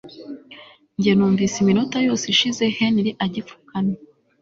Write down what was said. Njye numvise iminota yose ishize Henry agipfukamye